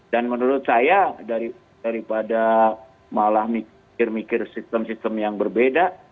dan menurut saya daripada malah mikir mikir sistem sistem yang berbeda